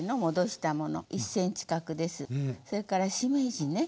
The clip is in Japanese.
それからしめじね。